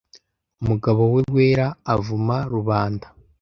umugabo we wera avuma rubanda